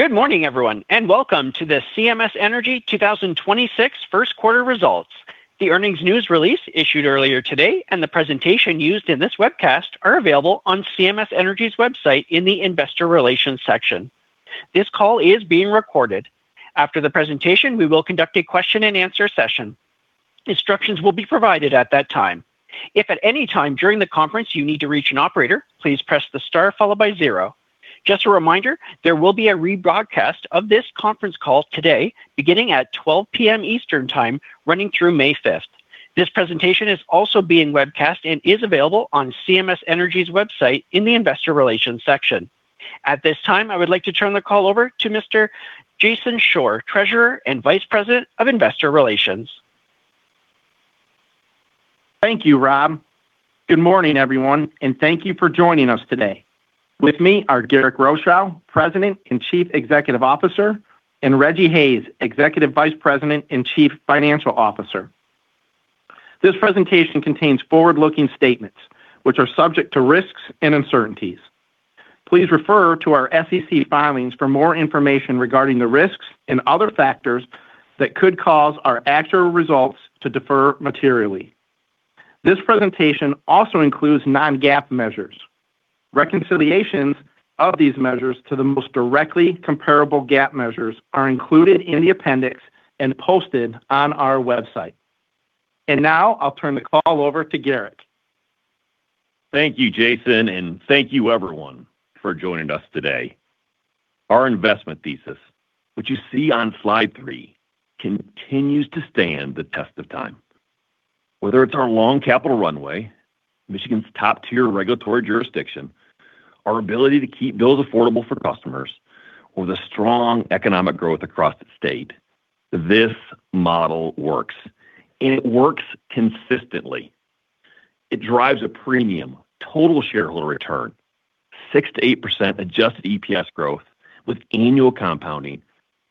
Good morning, everyone, and welcome to the CMS Energy 2026 first quarter results. The earnings news release issued earlier today and the presentation used in this webcast are available on CMS Energy's website in the Investor Relations section. This call is being recorded. After the presentation, we will conduct a question-and-answer session. Instructions will be provided at that time. If at any time during the conference you need to reach an operator, please press the star zero. Just a reminder, there will be a rebroadcast of this conference call today beginning at 12:00 P.M. Eastern Time, running through May 5th. This presentation is also being webcast and is available on CMS Energy's website in the Investor Relations section. At this time, I would like to turn the call over to Mr. Jason Shore, Treasurer and Vice President of Investor Relations. Thank you, Rob. Good morning, everyone, and thank you for joining us today. With me are Garrick Rochow, President and Chief Executive Officer, and Rejji Hayes, Executive Vice President and Chief Financial Officer. This presentation contains forward-looking statements which are subject to risks and uncertainties. Please refer to our SEC filings for more information regarding the risks and other factors that could cause our actual results to defer materially. This presentation also includes non-GAAP measures. Reconciliations of these measures to the most directly comparable GAAP measures are included in the appendix and posted on our website. Now I'll turn the call over to Garrick. Thank you, Jason, and thank you everyone for joining us today. Our investment thesis, which you see on Slide three, continues to stand the test of time. Whether it's our long capital runway, Michigan's top-tier regulatory jurisdiction, our ability to keep bills affordable for customers, or the strong economic growth across the state, this model works, and it works consistently. It drives a premium total shareholder return, 6%-8% adjusted EPS growth with annual compounding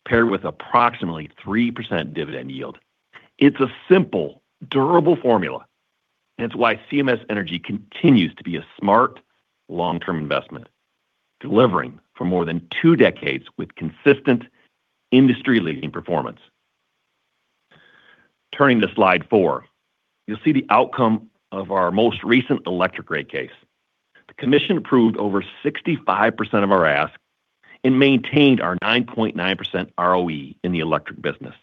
paired with approximately 3% dividend yield. It's a simple, durable formula, and it's why CMS Energy continues to be a smart, long-term investment, delivering for more than two decades with consistent industry-leading performance. Turning to Slide four, you'll see the outcome of our most recent electric rate case. The commission approved over 65% of our ask and maintained our 9.9% ROE in the electric business.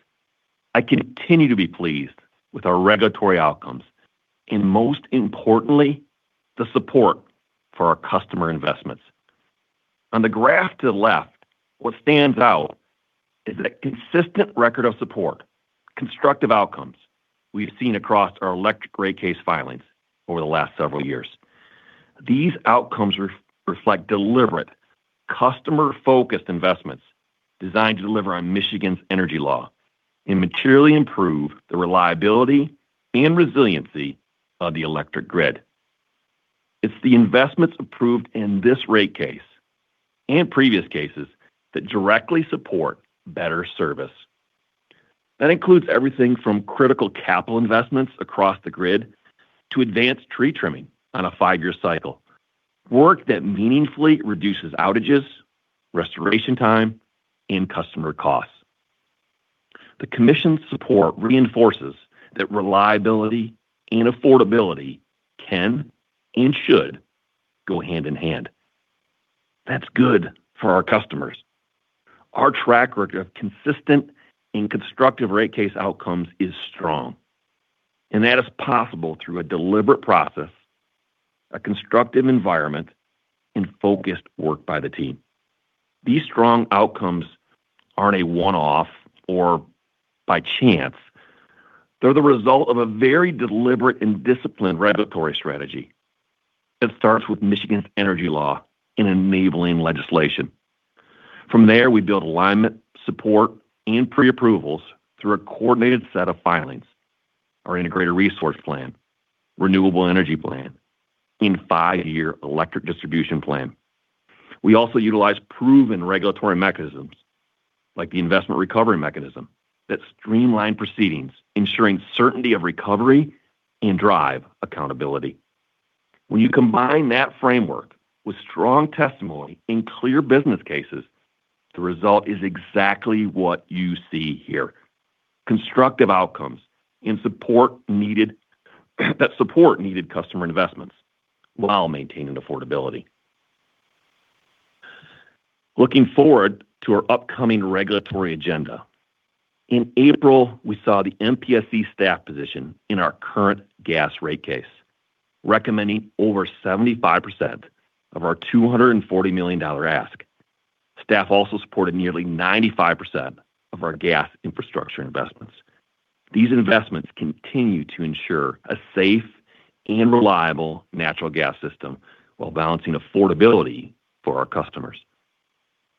I continue to be pleased with our regulatory outcomes and most importantly, the support for our customer investments. On the graph to the left, what stands out is that consistent record of support, constructive outcomes we've seen across our electric rate case filings over the last several years. These outcomes reflect deliberate, customer-focused investments designed to deliver on Michigan's energy law and materially improve the reliability and resiliency of the electric grid. It's the investments approved in this rate case and previous cases that directly support better service. That includes everything from critical capital investments across the grid to advanced tree trimming on a five year cycle. Work that meaningfully reduces outages, restoration time, and customer costs. The commission's support reinforces that reliability and affordability can and should go hand in hand. That's good for our customers. Our track record of consistent and constructive rate case outcomes is strong. That is possible through a deliberate process, a constructive environment, and focused work by the team. These strong outcomes aren't a one-off or by chance. They're the result of a very deliberate and disciplined regulatory strategy. It starts with Michigan's energy law and enabling legislation. From there, we build alignment, support, and pre-approvals through a coordinated set of filings, our integrated resource plan, renewable energy plan, and five year electric distribution plan. We also utilize proven regulatory mechanisms like the investment recovery mechanism that streamline proceedings, ensuring certainty of recovery and drive accountability. When you combine that framework with strong testimony and clear business cases, the result is exactly what you see here. Constructive outcomes that support needed customer investments while maintaining affordability. Looking forward to our upcoming regulatory agenda. In April, we saw the MPSC staff position in our current gas rate case, recommending over 75% of our $240 million ask. Staff also supported nearly 95% of our gas infrastructure investments. These investments continue to ensure a safe and reliable natural gas system while balancing affordability for our customers.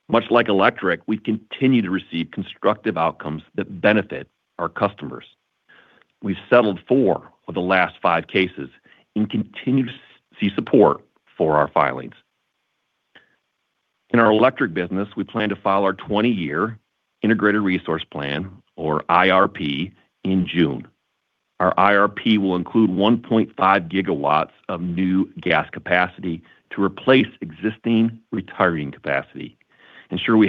Much like electric, we continue to receive constructive outcomes that benefit our customers. We've settled four of the last five cases and continue to see support for our filings. In our electric business, we plan to file our 20 year integrated resource plan or IRP in June. Our IRP will include 1.5 GW of new gas capacity to replace existing retiring capacity, ensuring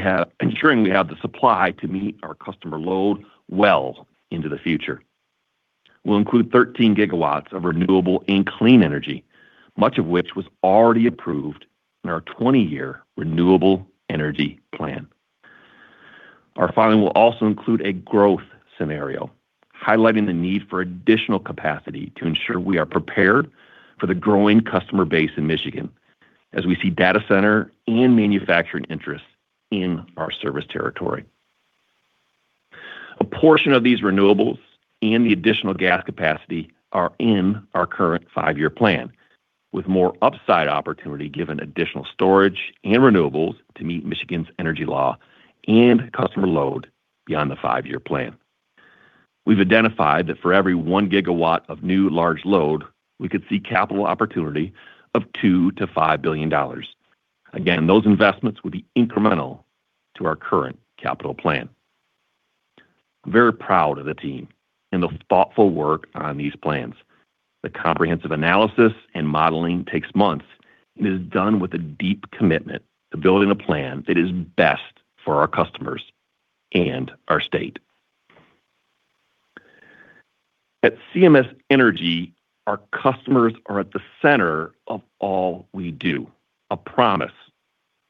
we have the supply to meet our customer load well into the future. We'll include 13 GW of renewable and clean energy, much of which was already approved in our 20 year renewable energy plan. Our filing will also include a growth scenario, highlighting the need for additional capacity to ensure we are prepared for the growing customer base in Michigan as we see data center and manufacturing interests in our service territory. A portion of these renewables and the additional gas capacity are in our current five year plan, with more upside opportunity given additional storage and renewables to meet Michigan's energy law and customer load beyond the five year plan. We've identified that for every 1 GW of new large load, we could see capital opportunity of $2 billion-$5 billion. Again, those investments would be incremental to our current capital plan. Very proud of the team and the thoughtful work on these plans. The comprehensive analysis and modeling takes months and is done with a deep commitment to building a plan that is best for our customers and our state. At CMS Energy, our customers are at the center of all we do, a promise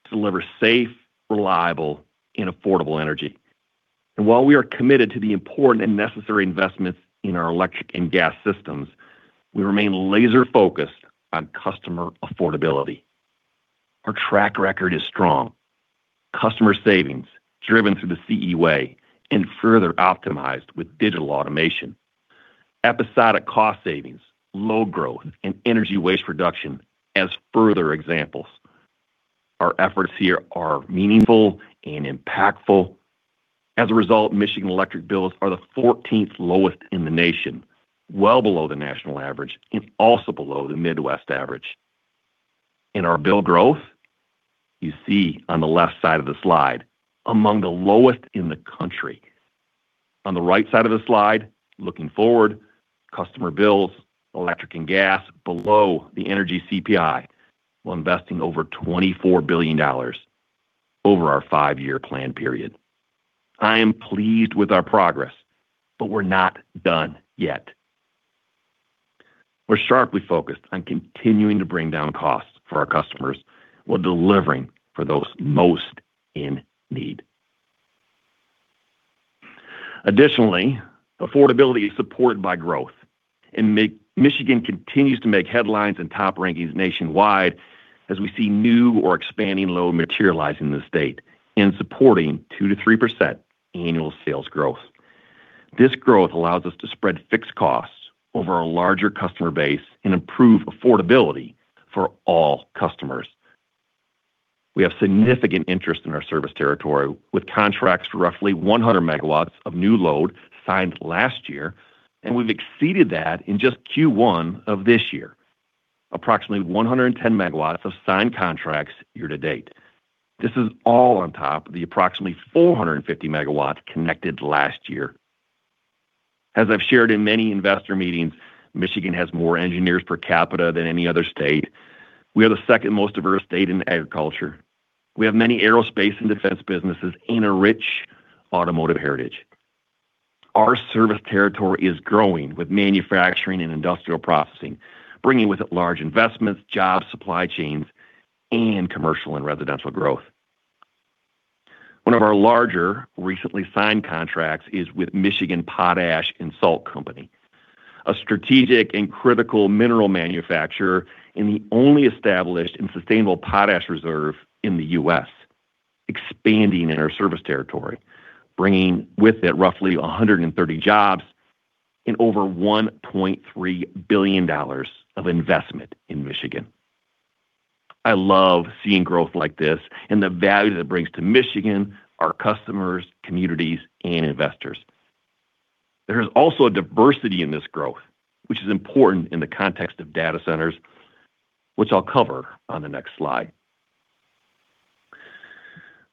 to deliver safe, reliable, and affordable energy. While we are committed to the important and necessary investments in our electric and gas systems, we remain laser-focused on customer affordability. Our track record is strong. Customer savings driven through the CE Way and further optimized with digital automation. Episodic cost savings, load growth, and energy waste reduction as further examples. Our efforts here are meaningful and impactful. As a result, Michigan electric bills are the fourteenth lowest in the nation, well below the national average and also below the Midwest average. In our bill growth, you see on the left side of the slide, among the lowest in the country. On the right side of the slide, looking forward, customer bills, electric and gas below the Energy CPI, while investing over $24 billion over our five year plan period. I am pleased with our progress. We're not done yet. We're sharply focused on continuing to bring down costs for our customers while delivering for those most in need. Additionally, affordability is supported by growth. Michigan continues to make headlines and top rankings nationwide as we see new or expanding load materialize in the state and supporting 2%-3% annual sales growth. This growth allows us to spread fixed costs over a larger customer base and improve affordability for all customers. We have significant interest in our service territory with contracts for roughly 100 MW of new load signed last year, and we've exceeded that in just Q1 of this year. Approximately 110 MW of signed contracts year-to-date. This is all on top of the approximately 450 MW connected last year. As I've shared in many investor meetings, Michigan has more engineers per capita than any other state. We are the second most diverse state in agriculture. We have many aerospace and defense businesses and a rich automotive heritage. Our service territory is growing with manufacturing and industrial processing, bringing with it large investments, jobs, supply chains, and commercial and residential growth. One of our larger recently signed contracts is with Michigan Potash and Salt Company, a strategic and critical mineral manufacturer and the only established and sustainable potash reserve in the U.S., expanding in our service territory, bringing with it roughly 130 jobs and over $1.3 billion of investment in Michigan. I love seeing growth like this and the value that it brings to Michigan, our customers, communities, and investors. There is also a diversity in this growth, which is important in the context of data centers, which I'll cover on the next slide.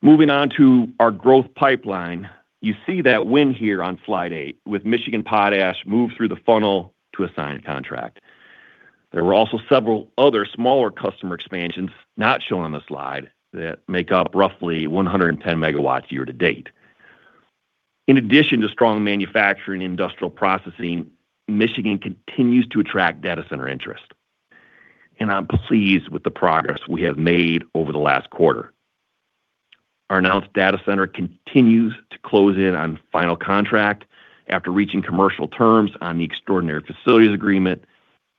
Moving on to our growth pipeline. You see that win here on Slide eight with Michigan Potash move through the funnel to a signed contract. There were also several other smaller customer expansions not shown on the slide that make up roughly 110 MW year-to-date. In addition to strong manufacturing industrial processing, Michigan continues to attract data center interest, and I'm pleased with the progress we have made over the last quarter. Our announced data center continues to close in on final contract after reaching commercial terms on the extraordinary facilities agreement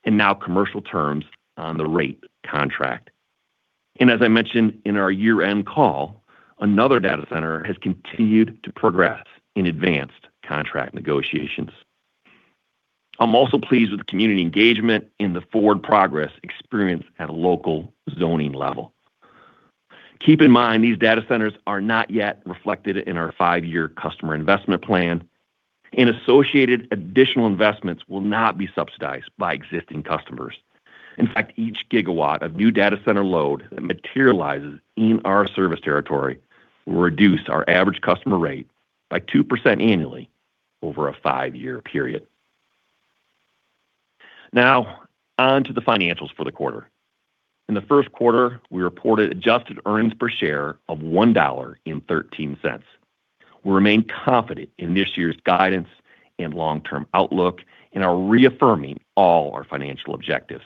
and now commercial terms on the rate contract. As I mentioned in our year-end call, another data center has continued to progress in advanced contract negotiations. I'm also pleased with the community engagement and the forward progress experienced at a local zoning level. Keep in mind, these data centers are not yet reflected in our five year customer investment plan, and associated additional investments will not be subsidized by existing customers. In fact, each gigawatt of new data center load that materializes in our service territory will reduce our average customer rate by 2% annually over a five year period. On to the financials for the quarter. In the first quarter, we reported adjusted earnings per share of $1.13. We remain confident in this year's guidance and long-term outlook and are reaffirming all our financial objectives.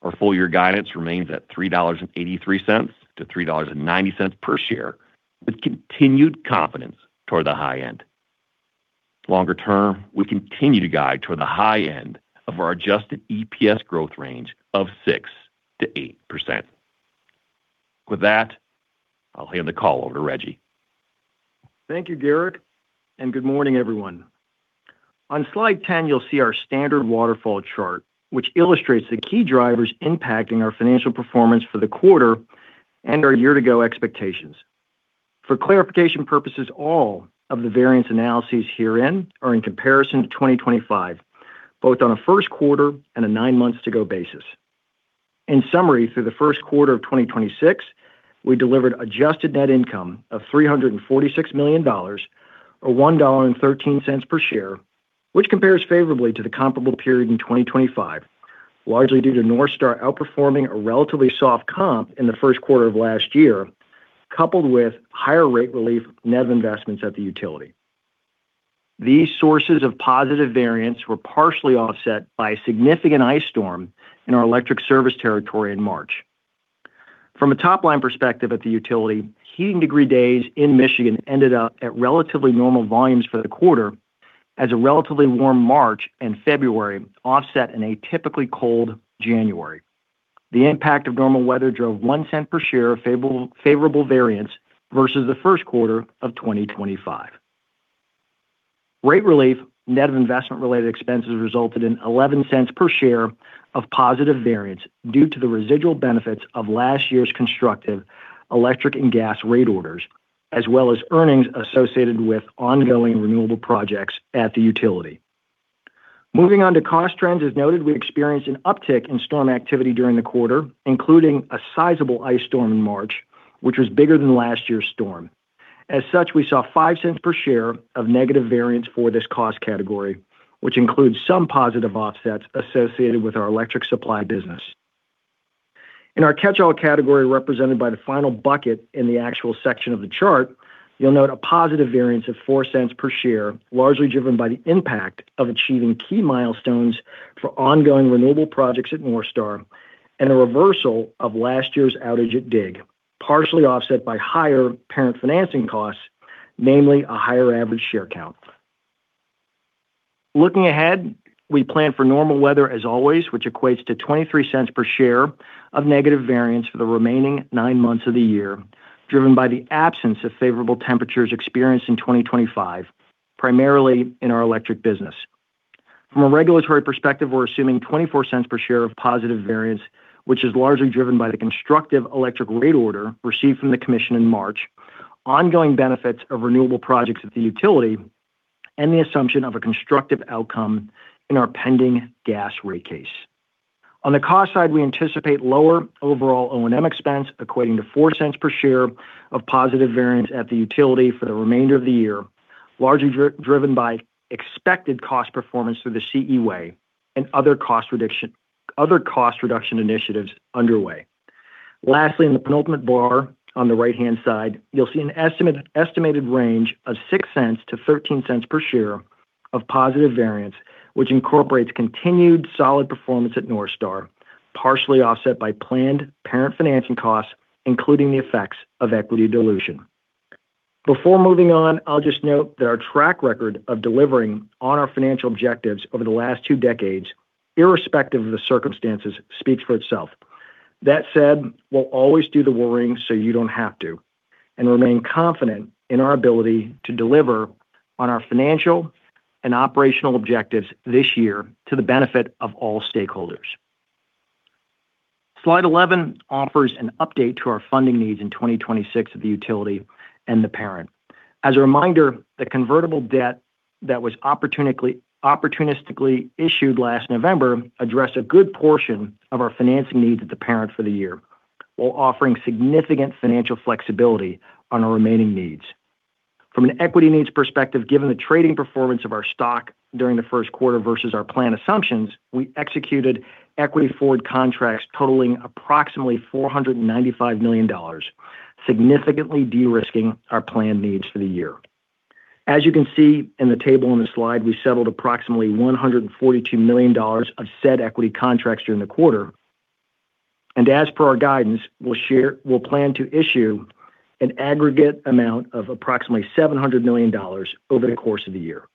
Our full-year guidance remains at $3.83-$3.90 per share with continued confidence toward the high end. Longer term, we continue to guide toward the high end of our adjusted EPS growth range of 6%-8%. With that, I'll hand the call over to Rejji. Thank you, Garrick, and good morning, everyone. On Slide 10, you'll see our standard waterfall chart, which illustrates the key drivers impacting our financial performance for the quarter and our year-to-go expectations. For clarification purposes, all of the variance analyses herein are in comparison to 2025, both on a first quarter and a nine months to go basis. In summary, through the first quarter of 2026, we delivered adjusted net income of $346 million or $1.13 per share, which compares favorably to the comparable period in 2025, largely due to NorthStar outperforming a relatively soft comp in the first quarter of last year, coupled with higher rate relief net investments at the utility. These sources of positive variance were partially offset by a significant ice storm in our electric service territory in March. From a top-line perspective at the utility, heating degree days in Michigan ended up at relatively normal volumes for the quarter as a relatively warm March and February offset in a typically cold January. The impact of normal weather drove $0.01 per share of favorable variance versus the first quarter of 2025. Rate relief, net of investment-related expenses, resulted in $0.11 per share of positive variance due to the residual benefits of last year's constructive electric and gas rate orders, as well as earnings associated with ongoing renewable projects at the utility. Moving on to cost trends, as noted, we experienced an uptick in storm activity during the quarter, including a sizable ice storm in March, which was bigger than last year's storm. As such, we saw $0.05 per share of negative variance for this cost category, which includes some positive offsets associated with our electric supply business. In our catch-all category represented by the final bucket in the actual section of the chart, you'll note a positive variance of $0.04 per share, largely driven by the impact of achieving key milestones for ongoing renewable projects at NorthStar and a reversal of last year's outage at DIG, partially offset by higher parent financing costs, namely a higher average share count. Looking ahead, we plan for normal weather as always, which equates to $0.23 per share of negative variance for the remaining nine months of the year, driven by the absence of favorable temperatures experienced in 2025, primarily in our electric business. From a regulatory perspective, we're assuming $0.24 per share of positive variance, which is largely driven by the constructive electric rate order received from the Commission in March, ongoing benefits of renewable projects at the utility, and the assumption of a constructive outcome in our pending gas rate case. On the cost side, we anticipate lower overall O&M expense equating to $0.04 per share of positive variance at the utility for the remainder of the year, largely driven by expected cost performance through the CE Way and other cost reduction initiatives underway. In the penultimate bar on the right-hand side, you'll see an estimated range of $0.06-$0.13 per share of positive variance, which incorporates continued solid performance at NorthStar, partially offset by planned parent financing costs, including the effects of equity dilution. Before moving on, I'll just note that our track record of delivering on our financial objectives over the last two decades, irrespective of the circumstances, speaks for itself. That said, we'll always do the worrying so you don't have to, and remain confident in our ability to deliver on our financial and operational objectives this year to the benefit of all stakeholders. Slide 11 offers an update to our funding needs in 2026 of the utility and the parent. As a reminder, the convertible debt that was opportunistically issued last November addressed a good portion of our financing needs at the parent for the year, while offering significant financial flexibility on our remaining needs. From an equity needs perspective, given the trading performance of our stock during the first quarter versus our plan assumptions, we executed equity forward contracts totaling approximately $495 million, significantly de-risking our planned needs for the year. As you can see in the table on the slide, we settled approximately $142 million of said equity contracts during the quarter. As per our guidance, we'll plan to issue an aggregate amount of approximately $700 million over the course of the year.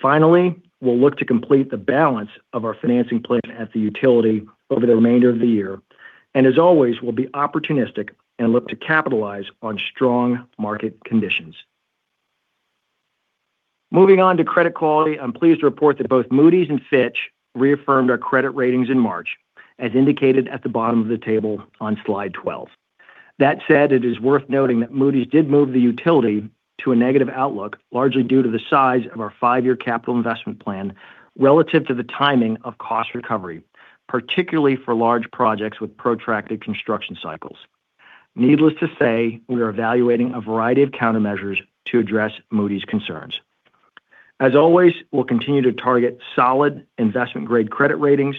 Finally, we'll look to complete the balance of our financing plan at the utility over the remainder of the year. As always, we'll be opportunistic and look to capitalize on strong market conditions. Moving on to credit quality, I'm pleased to report that both Moody's and Fitch reaffirmed our credit ratings in March, as indicated at the bottom of the table on Slide 12. That said, it is worth noting that Moody's did move the utility to a negative outlook, largely due to the size of our five-year capital investment plan relative to the timing of cost recovery, particularly for large projects with protracted construction cycles. Needless to say, we are evaluating a variety of countermeasures to address Moody's concerns. As always, we'll continue to target solid investment-grade credit ratings,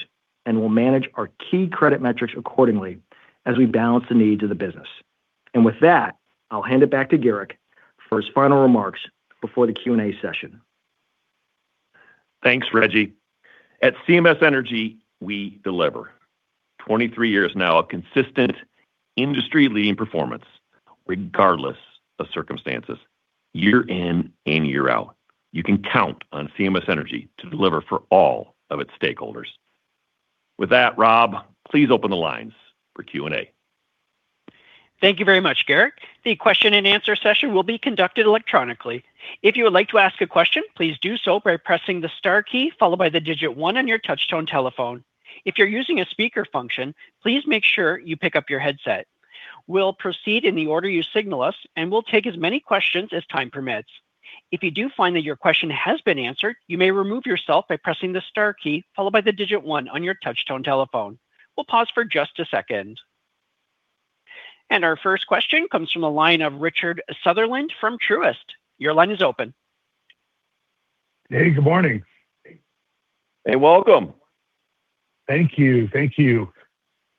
and we'll manage our key credit metrics accordingly as we balance the needs of the business. With that, I'll hand it back to Garrick for his final remarks before the Q&A session. Thanks, Rejji. At CMS Energy, we deliver. 23 years now of consistent industry-leading performance, regardless of circumstances, year in and year out. You can count on CMS Energy to deliver for all of its stakeholders. With that, Rob, please open the lines for Q&A. Thank you very much, Garrick. The question-and-answer session will be conducted electronically. If you would like to ask a question, please do so by pressing the star key followed by the one on your touch tone telephone. If you're using a speaker function, please make sure you pick up your headset. We'll proceed in the order you signal us, and we'll take as many questions as time permits. If you do find that your question has been answered, you may remove yourself by pressing the star key followed by the 1 on your touch tone telephone. We'll pause for just a second. Our first question comes from the line of Richard Sutherland from Truist. Your line is open. Hey, good morning. Hey, welcome. Thank you. Thank you.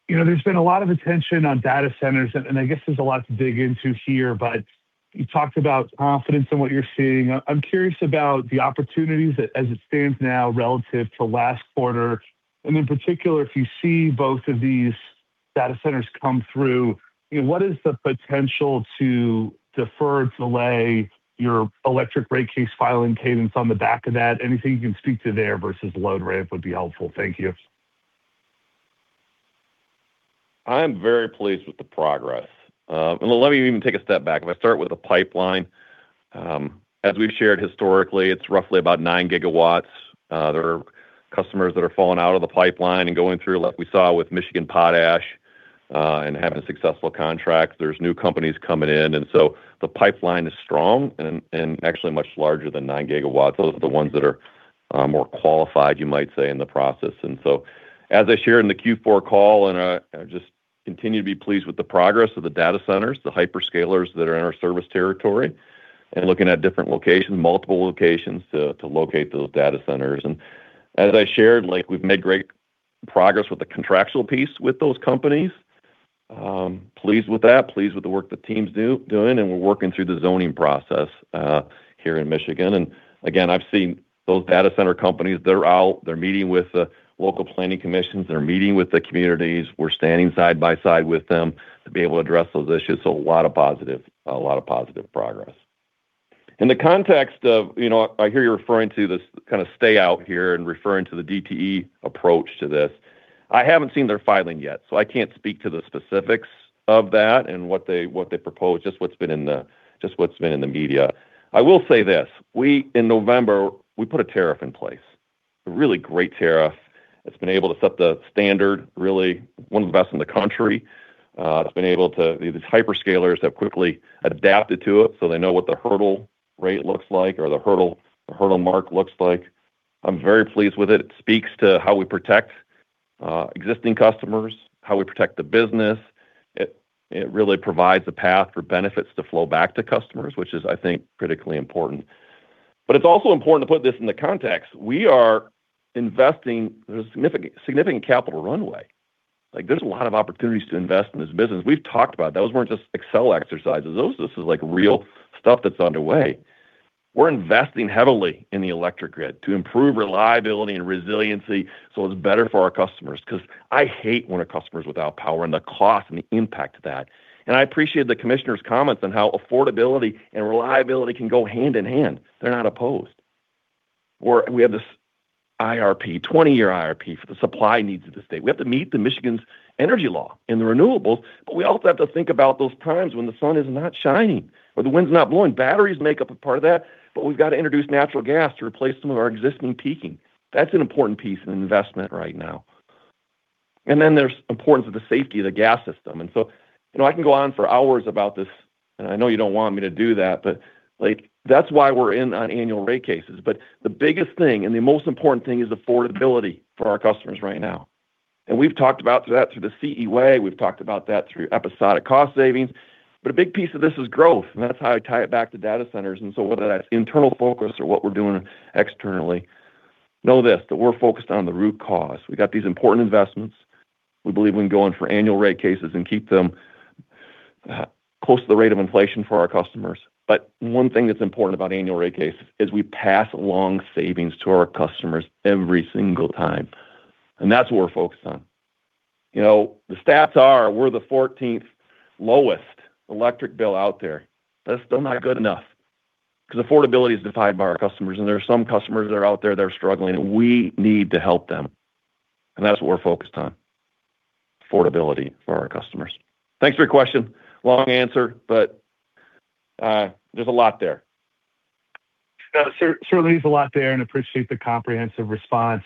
You know, there's been a lot of attention on data centers, and I guess there's a lot to dig into here, but you talked about confidence in what you're seeing. I'm curious about the opportunities as it stands now relative to last quarter, and in particular, if you see both of these data centers come through, you know, what is the potential to defer, delay your electric rate case filing cadence on the back of that? Anything you can speak to there versus load ramp would be helpful. Thank you. I am very pleased with the progress. Let me even take a step back. If I start with the pipeline, as we've shared historically, it's roughly about 9 GW. There are customers that are falling out of the pipeline and going through, like we saw with Michigan Potash, and having successful contracts. There's new companies coming in, the pipeline is strong and actually much larger than 9 GW. Those are the ones that are more qualified, you might say, in the process. As I shared in the Q4 call, I just continue to be pleased with the progress of the data centers, the hyperscalers that are in our service territory, and looking at different locations, multiple locations to locate those data centers. As I shared, like, we've made great progress with the contractual piece with those companies. Pleased with that, pleased with the work the team's doing, and we're working through the zoning process here in Michigan. Again, I've seen those data center companies, they're out, they're meeting with the local planning commissions, they're meeting with the communities. We're standing side by side with them to be able to address those issues. A lot of positive progress. In the context of, you know, I hear you're referring to this kind of stay out here and referring to the DTE approach to this. I haven't seen their filing yet. I can't speak to the specifics of that and what they propose, just what's been in the media. I will say this, in November, we put a tariff in place, a really great tariff that's been able to set the standard, really one of the best in the country. These hyperscalers have quickly adapted to it, they know what the hurdle rate looks like or the hurdle mark looks like. I'm very pleased with it. It speaks to how we protect existing customers, how we protect the business. It really provides a path for benefits to flow back to customers, which is, I think, critically important. It's also important to put this into context. We are investing. There's significant capital runway. Like, there's a lot of opportunities to invest in this business. We've talked about it. Those weren't just Excel exercises. This is like real stuff that's underway. We're investing heavily in the electric grid to improve reliability and resiliency so it's better for our customers, 'cause I hate when a customer's without power and the cost and the impact of that. I appreciate the commissioner's comments on how affordability and reliability can go hand in hand. They're not opposed. We have this IRP, 20-year IRP, for the supply needs of the state. We have to meet the Michigan's energy law and the renewables, but we also have to think about those times when the sun is not shining or the wind's not blowing. Batteries make up a part of that, but we've got to introduce natural gas to replace some of our existing peaking. That's an important piece of investment right now. There's importance of the safety of the gas system. You know, I can go on for hours about this, and I know you don't want me to do that, but, like, that's why we're in on annual rate cases. The biggest thing and the most important thing is affordability for our customers right now. We've talked about that through the CE Way, we've talked about that through episodic cost savings, but a big piece of this is growth, and that's how I tie it back to data centers. Whether that's internal focus or what we're doing externally, know this, that we're focused on the root cause. We got these important investments. We believe we can go in for annual rate cases and keep them close to the rate of inflation for our customers. One thing that's important about annual rate cases is we pass along savings to our customers every single time, and that's what we're focused on. You know, the stats are we're the 14th lowest electric bill out there. That's still not good enough, because affordability is defined by our customers, and there are some customers that are out there that are struggling, and we need to help them. That's what we're focused on, affordability for our customers. Thanks for your question. Long answer, but there's a lot there. That certainly is a lot there and appreciate the comprehensive response.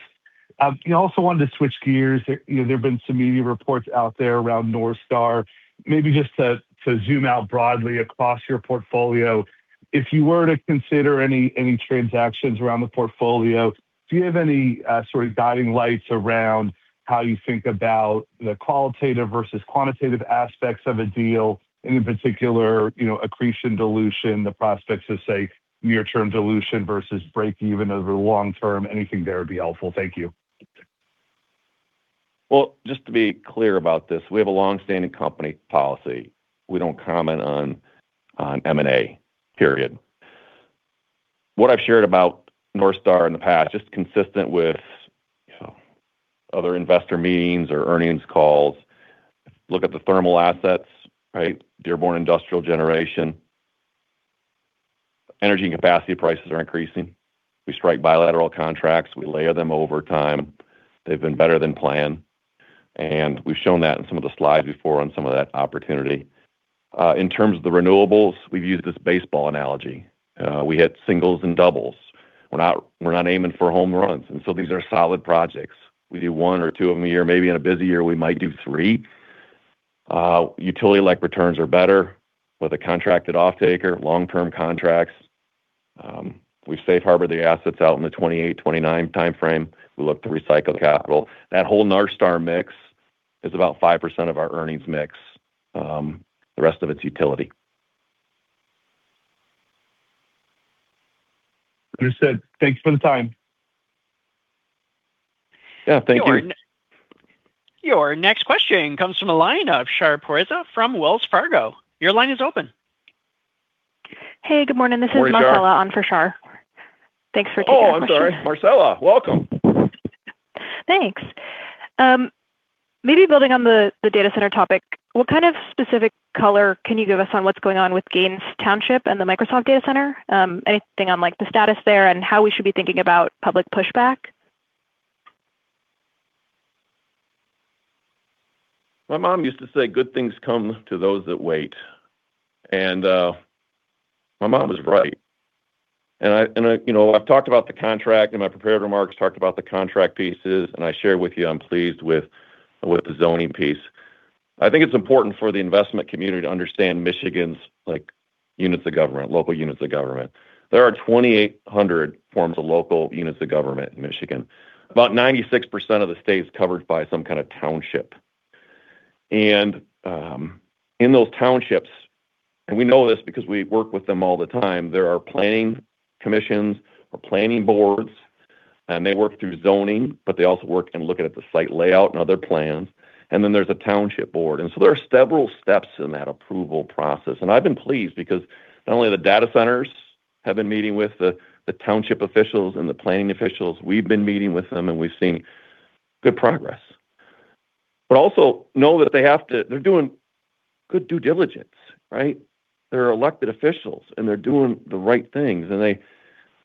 Also wanted to switch gears. You know, there have been some media reports out there around NorthStar. Maybe just to zoom out broadly across your portfolio, if you were to consider any transactions around the portfolio, do you have any sort of guiding lights around how you think about the qualitative versus quantitative aspects of a deal, and in particular, you know, accretion dilution, the prospects of, say, near-term dilution versus breakeven over the long term? Anything there would be helpful. Thank you. Well, just to be clear about this, we have a long-standing company policy. We don't comment on M&A, period. What I've shared about NorthStar in the past, just consistent with, you know, other investor meetings or earnings calls. Look at the thermal assets, right? Dearborn Industrial Generation. Energy and capacity prices are increasing. We strike bilateral contracts. We layer them over time. They've been better than planned, and we've shown that in some of the slides before on some of that opportunity. In terms of the renewables, we've used this baseball analogy. We hit singles and doubles. We're not aiming for home runs, and so these are solid projects. We do one or two of them a year. Maybe in a busy year, we might do three. Utility-like returns are better with a contracted offtaker, long-term contracts. We safe harbor the assets out in the 2028, 2029 timeframe. We look to recycle capital. That whole NorthStar mix is about 5% of our earnings mix. The rest of it's utility. Understood. Thanks for the time. Yeah. Thank you. Your next question comes from the line of Shar Pourreza from Wells Fargo. Your line is open. Hey, good morning. This is Marcella. Morning, Shar.... on for Shar. Thanks for taking my question. Oh, I'm sorry. Marcella, welcome. Thanks. Maybe building on the data center topic, what kind of specific color can you give us on what's going on with Gaines Township and the Microsoft data center? Anything on, like, the status there and how we should be thinking about public pushback? My mom used to say good things come to those that wait, my mom was right. I, you know, I've talked about the contract in my prepared remarks, talked about the contract pieces, and I shared with you I'm pleased with the zoning piece. I think it's important for the investment community to understand Michigan's, like, units of government, local units of government. There are 2,800 forms of local units of government in Michigan. About 96% of the state is covered by some kind of township. In those townships, and we know this because we work with them all the time, there are planning commissions or planning boards, and they work through zoning, but they also work in looking at the site layout and other plans. There's a township board. There are several steps in that approval process. I've been pleased because not only the data centers have been meeting with the township officials and the planning officials, we've been meeting with them and we've seen good progress. Also know that they're doing good due diligence, right? They're elected officials, and they're doing the right things, and they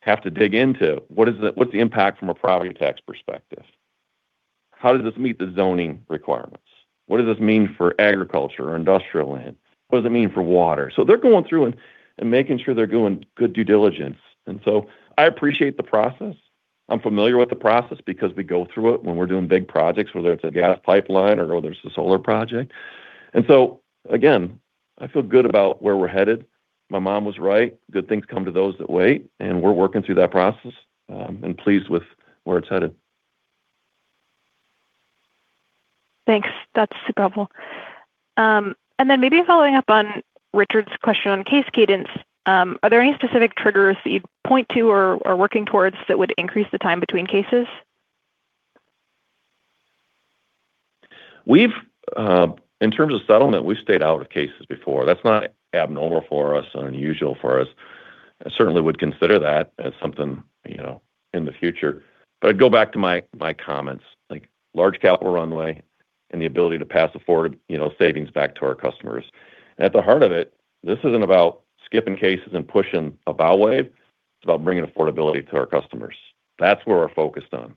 have to dig into what's the impact from a property tax perspective? How does this meet the zoning requirements? What does this mean for agriculture or industrial land? What does it mean for water? They're going through and making sure they're doing good due diligence. I appreciate the process. I'm familiar with the process because we go through it when we're doing big projects, whether it's a gas pipeline or whether it's a solar project. Again, I feel good about where we're headed. My mom was right. Good things come to those that wait, and we're working through that process, and pleased with where it's headed. Thanks. That's helpful. Then maybe following up on Richard's question on case cadence, are there any specific triggers that you'd point to or working towards that would increase the time between cases? We've in terms of settlement, we've stayed out of cases before. That's not abnormal for us or unusual for us. I certainly would consider that as something, you know, in the future. I'd go back to my comments, like large capital runway and the ability to pass afford, you know, savings back to our customers. At the heart of it, this isn't about skipping cases and pushing a bow wave. It's about bringing affordability to our customers. That's where we're focused on.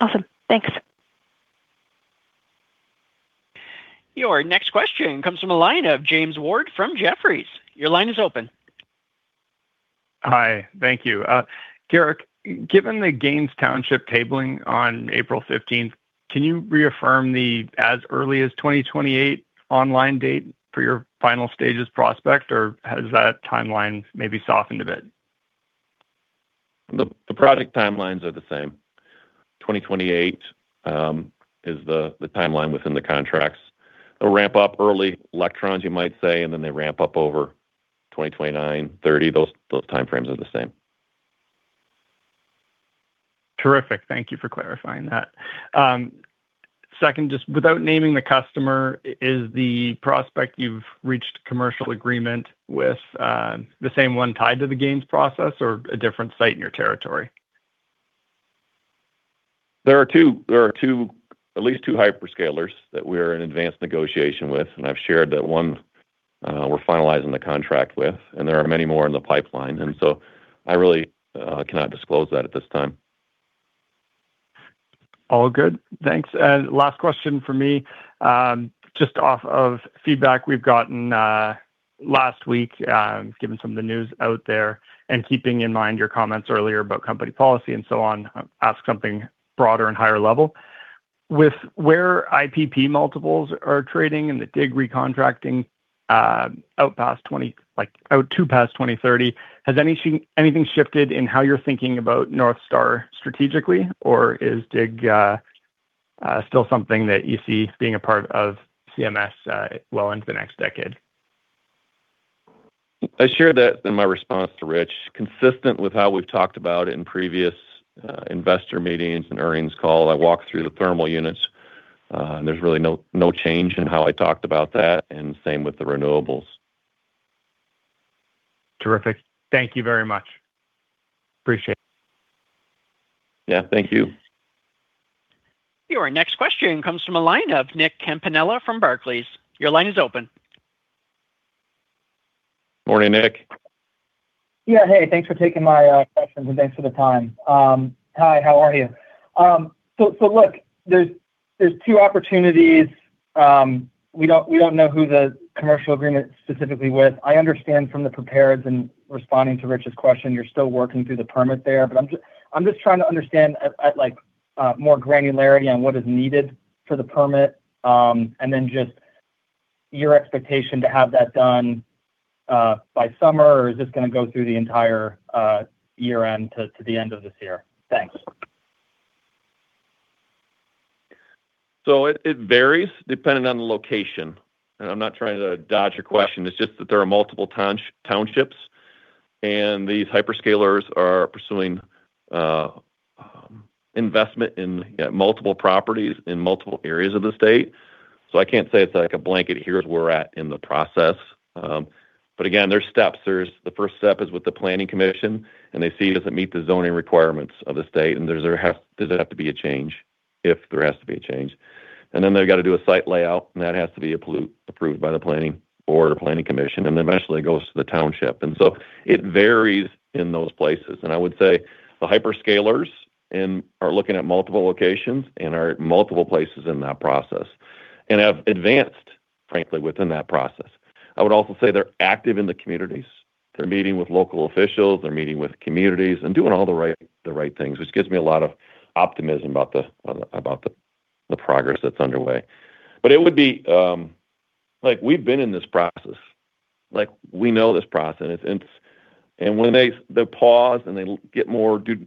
Awesome. Thanks. Your next question comes from a line of James Ward from Jefferies. Your line is open. Hi. Thank you. Garrick, given the Gaines Township tabling on April 15th, can you reaffirm the as early as 2028 online date for your final stages prospect, or has that timeline maybe softened a bit? The project timelines are the same. 2028 is the timeline within the contracts. They'll ramp up early electrons, you might say, and then they ramp up over 2029, 2030. Those time frames are the same. Terrific. Thank you for clarifying that. Second, just without naming the customer, is the prospect you've reached commercial agreement with, the same one tied to the Gaines process or a different site in your territory? There are two, at least two hyperscalers that we're in advanced negotiation with, and I've shared that one, we're finalizing the contract with, and there are many more in the pipeline. I really cannot disclose that at this time. All good. Thanks. Last question for me, just off of feedback we've gotten last week, given some of the news out there and keeping in mind your comments earlier about company policy and so on, ask something broader and higher level. With where IPP multiples are trading and the DIG recontracting out to past 2030, has anything shifted in how you're thinking about NorthStar strategically, or is DIG still something that you see being a part of CMS well into the next decade? I shared that in my response to Rich. Consistent with how we've talked about it in previous investor meetings and earnings call, I walked through the thermal units. There's really no change in how I talked about that. Same with the renewables. Terrific. Thank you very much. Appreciate it. Yeah, thank you. Your next question comes from a line of Nicholas Campanella from Barclays. Morning, Nick. Yeah, hey. Thanks for taking my questions, and thanks for the time. Hi, how are you? Look, there's two opportunities. We don't know who the commercial agreement specifically with. I understand from the prepared and responding to Richard's question, you're still working through the permit there. I'm just trying to understand at more granularity on what is needed for the permit, and then just your expectation to have that done by summer, or is this gonna go through the entire year-end to the end of this year? Thanks. It varies depending on the location. I'm not trying to dodge your question, it's just that there are multiple townships, and these hyperscalers are pursuing, you know, investment in multiple properties in multiple areas of the state. I can't say it's like a blanket, Here's where we're at in the process. Again, there's steps. The first step is with the planning commission, and they see does it meet the zoning requirements of the state, and does there have to be a change? If there has to be a change. Then they've got to do a site layout, and that has to be approved by the planning board or planning commission. Then eventually it goes to the township. It varies in those places. I would say the hyperscalers and are looking at multiple locations and are at multiple places in that process and have advanced, frankly, within that process. I would also say they're active in the communities. They're meeting with local officials, they're meeting with communities, and doing all the right things, which gives me a lot of optimism about the progress that's underway. Like, we've been in this process. Like, we know this process. When they pause and they do more due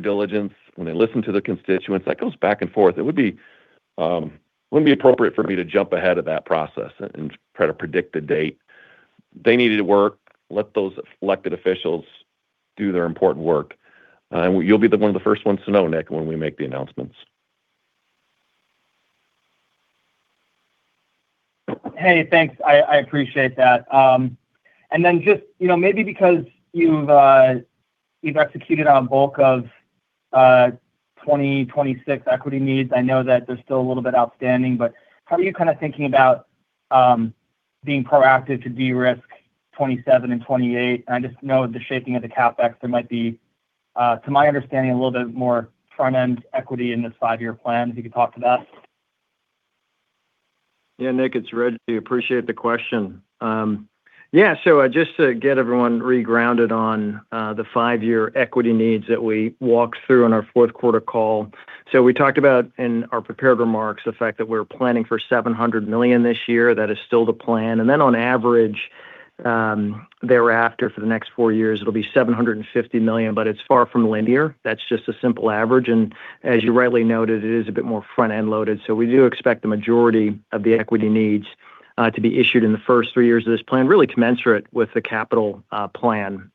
diligence, when they listen to their constituents, that goes back and forth. It would be, wouldn't be appropriate for me to jump ahead of that process and try to predict a date. They need it to work. Let those elected officials do their important work. You'll be the one of the first ones to know, Nick, when we make the announcements. Hey, thanks. I appreciate that. Just, you know, maybe because you've executed on bulk of 2026 equity needs, I know that there's still a little bit outstanding, but how are you kinda thinking about being proactive to de-risk 2027 and 2028? I just know the shaping of the CapEx, there might be, to my understanding, a little bit more front-end equity in this five year plan, if you could talk to that. Yeah, Nick, it's Rejji. Appreciate the question. Just to get everyone regrounded on the five year equity needs that we walked through on our fourth quarter call. We talked about in our prepared remarks the fact that we're planning for $700 million this year. That is still the plan. On average, thereafter for the next four years, it'll be $750 million, but it's far from linear. That's just a simple average. As you rightly noted, it is a bit more front-end loaded, so we do expect the majority of the equity needs to be issued in the first three years of this plan, really commensurate with the capital plan.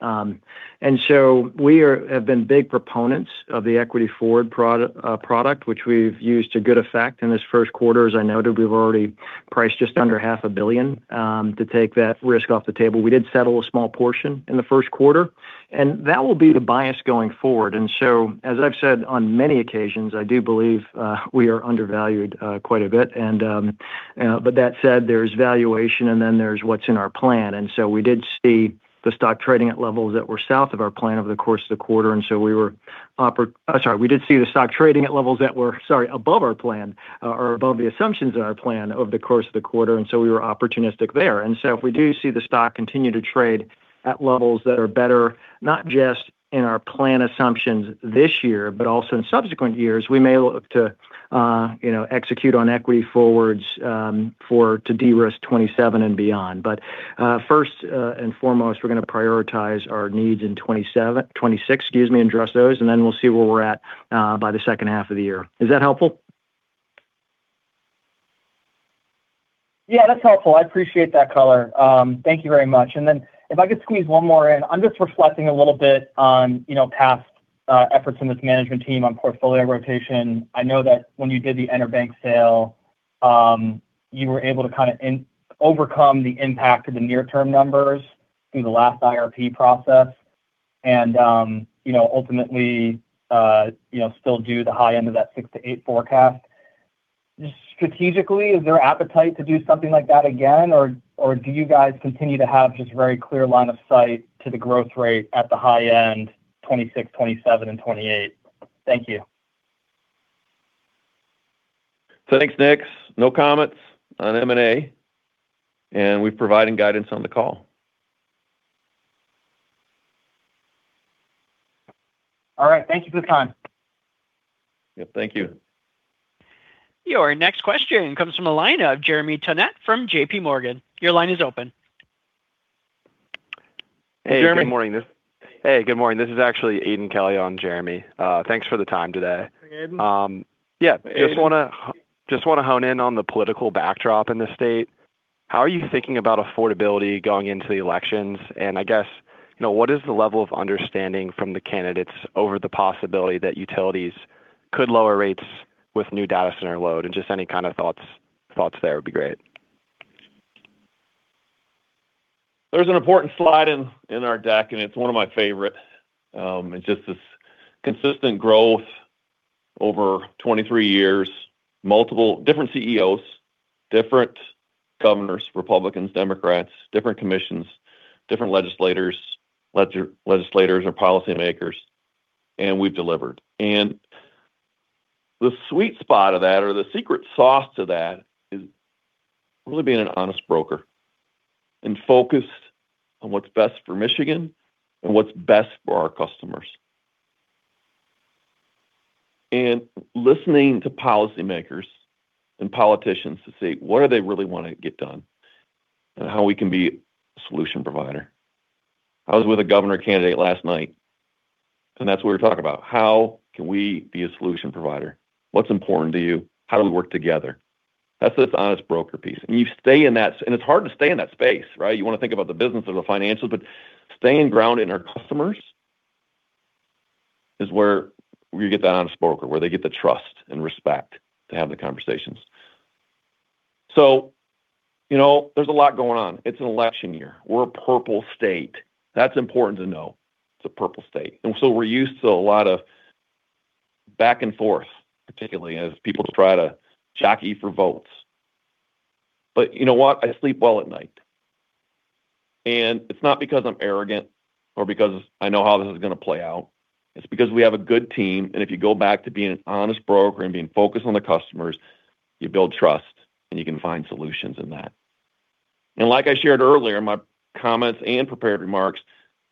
We are, have been big proponents of the equity forward product, which we've used to good effect in this first quarter. As I noted, we've already priced just under half a billion to take that risk off the table. We did settle a small portion in the first quarter. That will be the bias going forward. As I've said on many occasions, I do believe we are undervalued quite a bit. That said, there's valuation, and then there's what's in our plan. We did see the stock trading at levels that were above our plan or above the assumptions in our plan over the course of the quarter, and so we were opportunistic there. If we do see the stock continue to trade at levels that are better, not just in our plan assumptions this year, but also in subsequent years, we may look to, you know, execute on equity forwards for to de-risk 2027 and beyond. First and foremost, we're gonna prioritize our needs in 2026, excuse me, address those, and then we'll see where we're at by the second half of the year. Is that helpful? Yeah, that's helpful. I appreciate that color. Thank you very much. If I could squeeze one more in. I'm just reflecting a little bit on, you know, past efforts in this management team on portfolio rotation. I know that when you did the EnerBank sale, you were able to overcome the impact of the near-term numbers through the last IRP process and, you know, ultimately, you know, still do the high end of that six to eight forecast Strategically, is there appetite to do something like that again? Or do you guys continue to have just very clear line of sight to the growth rate at the high end, 2026, 2027 and 2028? Thank you. Thanks, Nick. No comments on M&A, and we're providing guidance on the call. All right. Thank you for the time. Yeah, thank you. Your next question comes from the line of Jeremy Tonet from JPMorgan. Your line is open. Jeremy. Hey, good morning. This is actually Aidan Kelly on Jeremy. Thanks for the time today. Hey, Aidan. Yeah. Just wanna hone in on the political backdrop in the state. How are you thinking about affordability going into the elections? I guess, you know, what is the level of understanding from the candidates over the possibility that utilities could lower rates with new data center load? Just any kind of thoughts there would be great. There's an important slide in our deck. It's one of my favorite. It's just this consistent growth over 23 years, multiple different CEOs, different governors, Republicans, Democrats, different commissions, different legislators or policymakers. We've delivered. The sweet spot of that or the secret sauce to that is really being an honest broker and focused on what's best for Michigan and what's best for our customers. Listening to policymakers and politicians to see what do they really want to get done and how we can be a solution provider. I was with a governor candidate last night. That's what we were talking about. How can we be a solution provider? What's important to you? How do we work together? That's this honest broker piece. You stay in that. It's hard to stay in that space, right? You want to think about the business or the financials, but staying grounded in our customers is where we get the honest broker, where they get the trust and respect to have the conversations. You know, there's a lot going on. It's an election year. We're a purple state. That's important to know. It's a purple state. We're used to a lot of back and forth, particularly as people try to jockey for votes. You know what? I sleep well at night, and it's not because I'm arrogant or because I know how this is gonna play out. It's because we have a good team, and if you go back to being an honest broker and being focused on the customers, you build trust, and you can find solutions in that. Like I shared earlier, my comments and prepared remarks,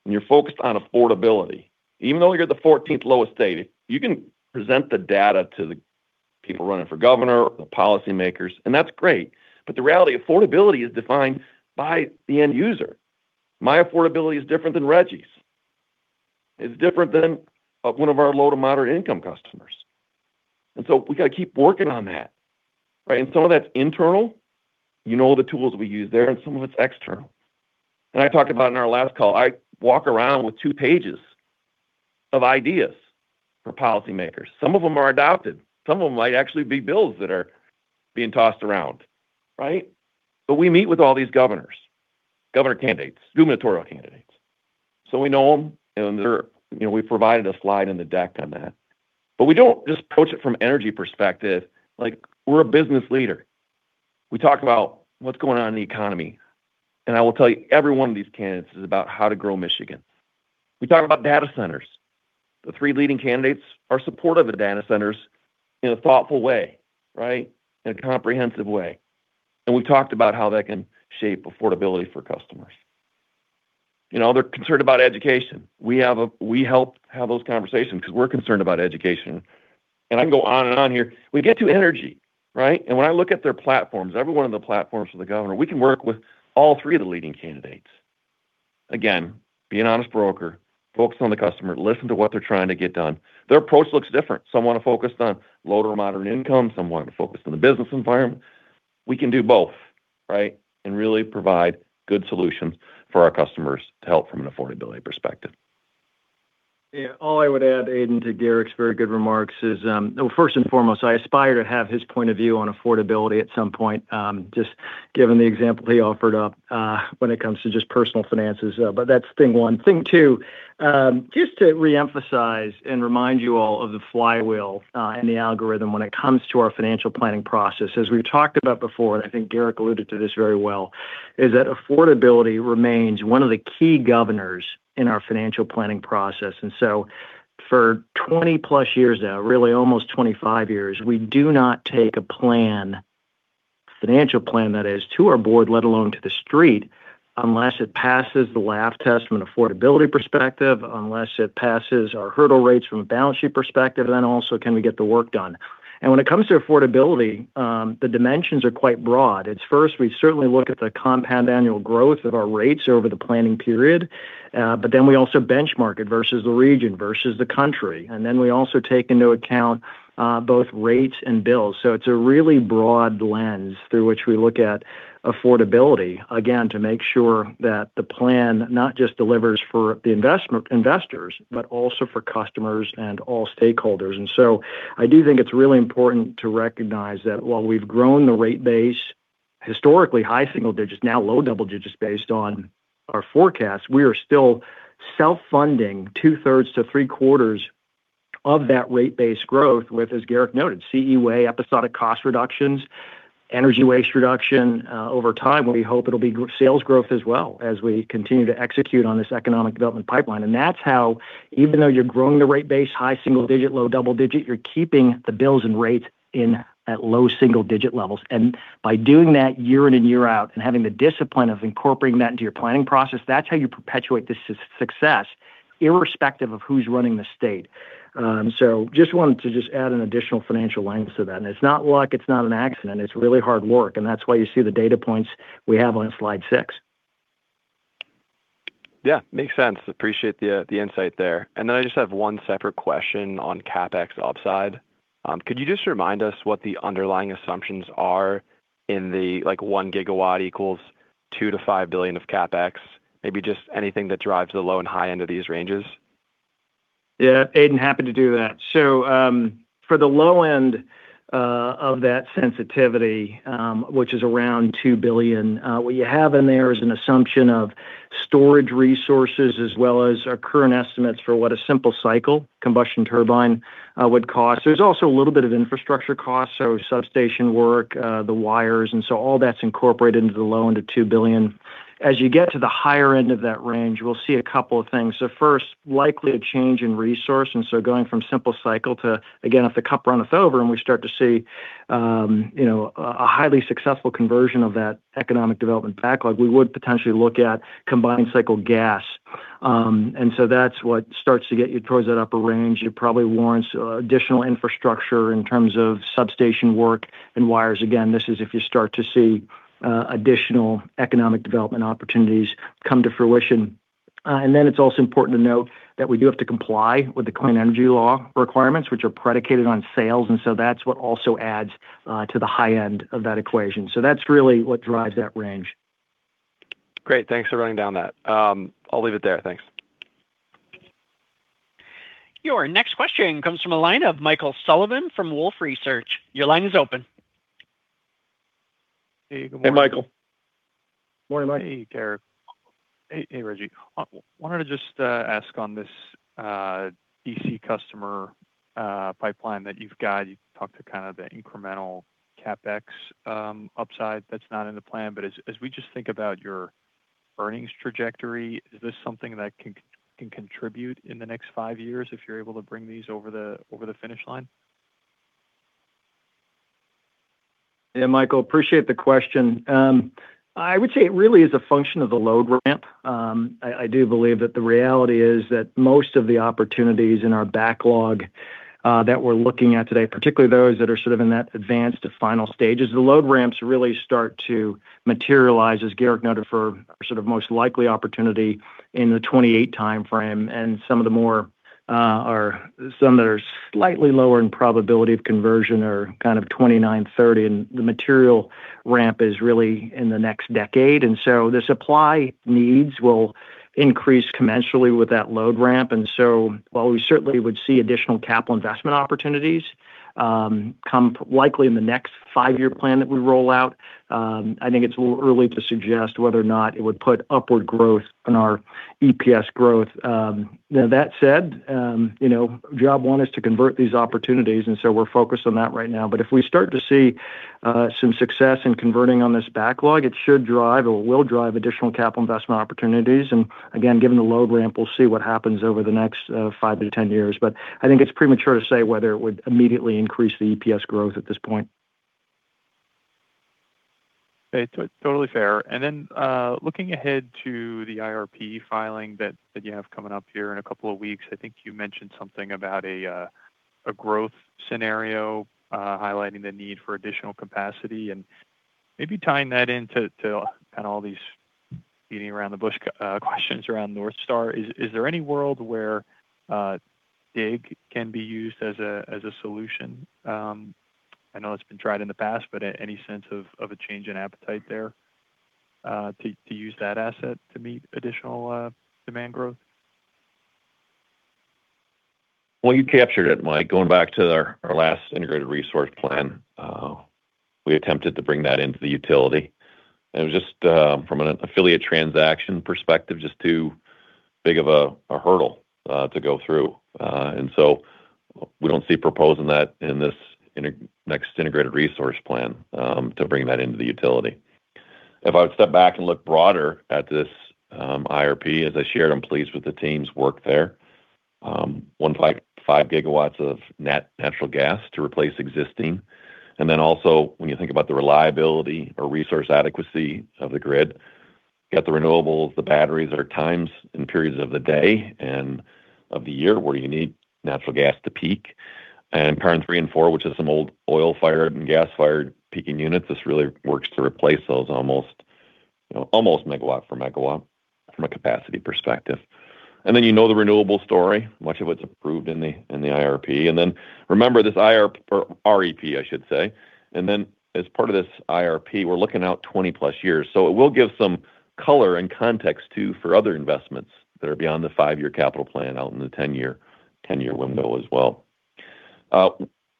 when you're focused on affordability, even though you're the fourteenth lowest state, you can present the data to the people running for governor or the policymakers, and that's great. The reality, affordability is defined by the end user. My affordability is different than Rejji's. It's different than one of our low to moderate income customers. We got to keep working on that, right? Some of that's internal, you know the tools we use there, and some of it's external. I talked about in our last call, I walk around with two pages of ideas for policymakers. Some of them are adopted. Some of them might actually be bills that are being tossed around, right? We meet with all these governors, governor candidates, gubernatorial candidates. We know them, and you know, we provided a slide in the deck on that. We don't just approach it from energy perspective. Like, we're a business leader. We talk about what's going on in the economy. I will tell you, every one of these candidates is about how to grow Michigan. We talk about data centers. The three leading candidates are supportive of data centers in a thoughtful way, right? In a comprehensive way. We talked about how that can shape affordability for customers. You know, they're concerned about education. We help have those conversations because we're concerned about education. I can go on and on here. We get to energy, right? When I look at their platforms, every one of the platforms for the governor, we can work with all three of the leading candidates. Be an honest broker, focus on the customer, listen to what they're trying to get done. Their approach looks different. Some want to focus on low to moderate income. Some want to focus on the business environment. We can do both, right? Really provide good solutions for our customers to help from an affordability perspective. Yeah. All I would add, Aidan, to Garrick's very good remarks is, well, first and foremost, I aspire to have his point of view on affordability at some point, just given the example he offered up, when it comes to just personal finances. That's thing one. Thing two, just to reemphasize and remind you all of the flywheel and the algorithm when it comes to our financial planning process. As we've talked about before, I think Garrick alluded to this very well, is that affordability remains one of the key governors in our financial planning process. For 20+ years now, really almost 25 years, we do not take a plan, financial plan that is, to our board, let alone to the street, unless it passes the laugh test from an affordability perspective, unless it passes our hurdle rates from a balance sheet perspective, also can we get the work done. When it comes to affordability, the dimensions are quite broad. It's first, we certainly look at the compound annual growth of our rates over the planning period, we also benchmark it versus the region, versus the country, we also take into account both rates and bills. It's a really broad lens through which we look at affordability, again, to make sure that the plan not just delivers for the investors, but also for customers and all stakeholders. I do think it's really important to recognize that while we've grown the rate base. Historically high single digits, now low double digits based on our forecast. We are still self-funding two thirds to three quarters of that rate-based growth with, as Garrick noted, CE Way, episodic cost reductions, energy waste reduction over time. We hope it'll be sales growth as well as we continue to execute on this economic development pipeline. That's how even though you're growing the rate base high-single-digit, low-double-digit, you're keeping the bills and rates in at low-single-digit levels. By doing that year in and year out and having the discipline of incorporating that into your planning process, that's how you perpetuate this success irrespective of who's running the state. Just wanted to just add an additional financial lens to that. It's not like it's not an accident. It's really hard work, and that's why you see the data points we have on Slide six. Yeah, makes sense. Appreciate the insight there. I just have one separate question on CapEx upside. Could you just remind us what the underlying assumptions are in the, like, 1 GW equals $2 billion-$5 billion of CapEx? Maybe just anything that drives the low and high end of these ranges. Yeah. Aidan happened to do that. For the low end of that sensitivity, which is around $2 billion, what you have in there is an assumption of storage resources as well as our current estimates for what a simple cycle combustion turbine would cost. There's also a little bit of infrastructure costs, so substation work, the wires, all that's incorporated into the low end of $2 billion. As you get to the higher end of that range, we'll see a couple of things. First, likely a change in resource, and so going from simple cycle to, again, if the cup runneth over and we start to see, you know, a highly successful conversion of that economic development backlog, we would potentially look at combining cycle gas. That's what starts to get you towards that upper range. It probably warrants additional infrastructure in terms of substation work and wires. Again, this is if you start to see additional economic development opportunities come to fruition. It's also important to note that we do have to comply with the Clean Energy Law requirements, which are predicated on sales, that's what also adds to the high end of that equation. That's really what drives that range. Great. Thanks for running down that. I'll leave it there. Thanks. Your next question comes from a line of Michael Sullivan from Wolfe Research. Your line is open. Hey, good morning. Hey, Michael. Morning, Mike. Hey, Garrick. Hey, hey, Rejji. I wanted to just ask on this EC customer pipeline that you've got. You talked to kind of the incremental CapEx upside that's not in the plan. As we just think about your earnings trajectory, is this something that can contribute in the next five years if you're able to bring these over the finish line? Yeah, Michael, appreciate the question. I would say it really is a function of the load ramp. I do believe that the reality is that most of the opportunities in our backlog that we're looking at today, particularly those that are sort of in that advanced to final stages, the load ramps really start to materialize, as Garrick noted, for sort of most likely opportunity in the 2028 time frame. Some of the more, or some that are slightly lower in probability of conversion are kind of 2029, 2030, and the material ramp is really in the next decade. The supply needs will increase commensurately with that load ramp. While we certainly would see additional capital investment opportunities, come likely in the next five year plan that we roll out, I think it's a little early to suggest whether or not it would put upward growth on our EPS growth. Now that said, you know, job one is to convert these opportunities, and so we're focused on that right now. If we start to see some success in converting on this backlog, it should drive or will drive additional capital investment opportunities. Again, given the load ramp, we'll see what happens over the next five to 10 years. I think it's premature to say whether it would immediately increase the EPS growth at this point. Totally fair. Looking ahead to the IRP filing that you have coming up here in a couple of weeks, I think you mentioned something about a growth scenario, highlighting the need for additional capacity. Maybe tying that into kind of all these beating around the bush questions around NorthStar, is there any world where DIG can be used as a solution? I know it's been tried in the past, but any sense of a change in appetite there to use that asset to meet additional demand growth? Well, you captured it, Mike. Going back to our last integrated resource plan, we attempted to bring that into the utility. It was just from an affiliate transaction perspective, too big of a hurdle to go through. We don't see proposing that in this next integrated resource plan to bring that into the utility. If I would step back and look broader at this IRP, as I shared, I'm pleased with the team's work there. 1.5 GW of natural gas to replace existing. Also when you think about the reliability or resource adequacy of the grid, got the renewables, the batteries at times and periods of the day and of the year where you need natural gas to peak. Karn 3 and 4, which is some old oil-fired and gas-fired peaking units, this really works to replace those almost, you know, almost megawatt for megawatt from a capacity perspective. You know the renewable story, much of it's approved in the IRP. Remember this REP, I should say. As part of this IRP, we're looking out 20+ years. It will give some color and context too for other investments that are beyond the five year capital plan out in the 10 year window as well.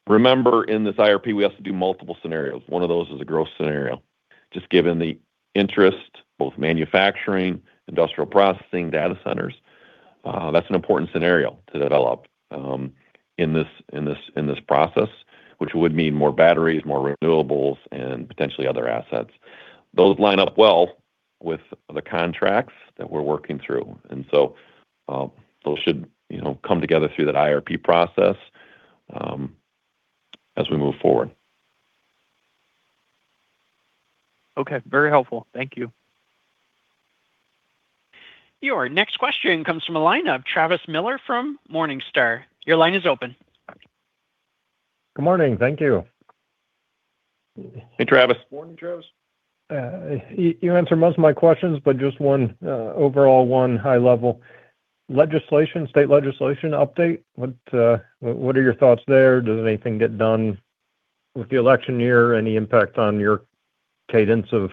Remember in this IRP, we have to do multiple scenarios. One of those is a growth scenario. Just given the interest, both manufacturing, industrial processing, data centers, that's an important scenario to develop in this process, which would mean more batteries, more renewables, and potentially other assets. Those line up well with the contracts that we're working through. Those should, you know, come together through that IRP process as we move forward. Okay. Very helpful. Thank you. Your next question comes from a line of Travis Miller from Morningstar. Your line is open. Good morning. Thank you. Hey, Travis. Morning, Travis. You answered most of my questions, but just one overall one high-level legislation, state legislation update. What are your thoughts there? Does anything get done with the election year? Any impact on your cadence of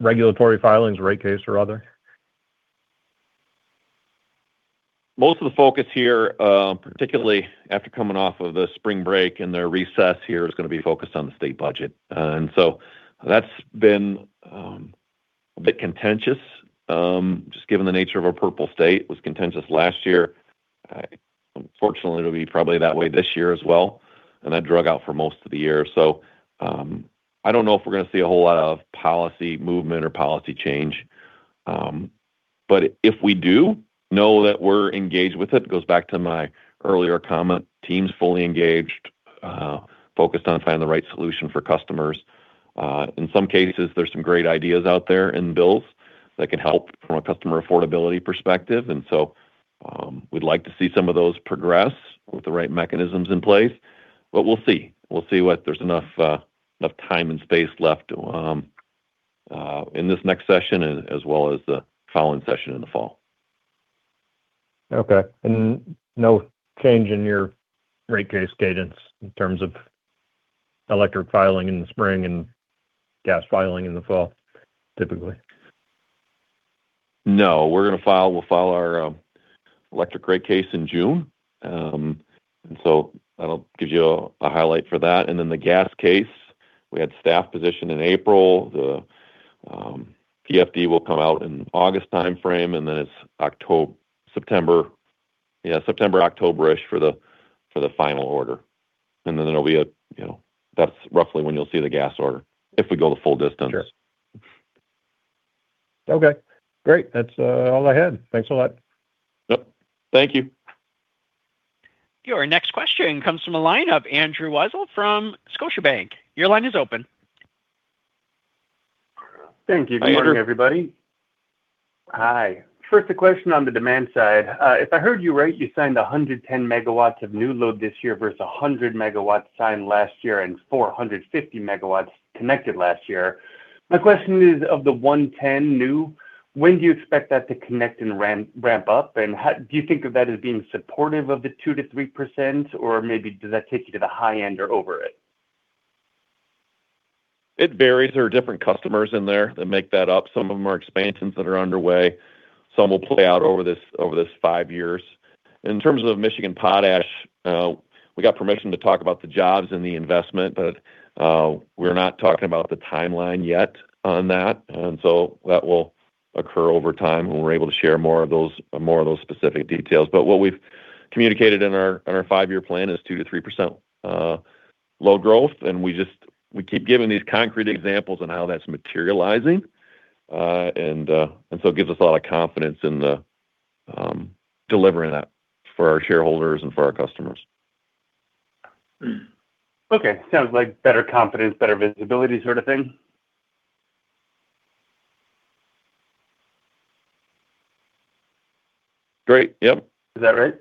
regulatory filings, rate case or other? Most of the focus here, particularly after coming off of the spring break and their recess here, is gonna be focused on the state budget. That's been a bit contentious, just given the nature of our purple state. It was contentious last year. Unfortunately, it'll be probably that way this year as well, and that drug out for most of the year. I don't know if we're gonna see a whole lot of policy movement or policy change. If we do, know that we're engaged with it. It goes back to my earlier comment. Team's fully engaged, focused on finding the right solution for customers. In some cases, there's some great ideas out there in bills that can help from a customer affordability perspective. We'd like to see some of those progress with the right mechanisms in place. We'll see. We'll see what there's enough time and space left in this next session as well as the following session in the fall. Okay. No change in your rate case cadence in terms of electric filing in the spring and gas filing in the fall, typically? No. We're gonna file, we'll file our electric rate case in June. That'll give you a highlight for that. The gas case, we had staff position in April. The PFD will come out in August timeframe, it's September. Yeah, September, October-ish for the final order. There'll be, you know, that's roughly when you'll see the gas order if we go the full distance. Sure. Okay, great. That's all I had. Thanks a lot. Yep. Thank you. Your next question comes from a line of Andrew Weisel from Scotiabank. Your line is open. Hi, Andrew. Thank you. Good morning, everybody. Hi. First, a question on the demand side. If I heard you right, you signed 110 MW of new load this year versus 100 MW signed last year and 450 MWconnected last year. My question is, of the 110 new, when do you expect that to connect and ramp up? How do you think of that as being supportive of the 2%-3%, or maybe does that take you to the high end or over it? It varies. There are different customers in there that make that up. Some of them are expansions that are underway. Some will play out over this, over this five years. In terms of Michigan Potash, we got permission to talk about the jobs and the investment, but we're not talking about the timeline yet on that. That will occur over time when we're able to share more of those specific details. What we've communicated in our five year plan is 2%-3% load growth. We keep giving these concrete examples on how that's materializing. It gives us a lot of confidence in delivering that for our shareholders and for our customers. Okay. Sounds like better confidence, better visibility sort of thing? Great. Yep. Is that right?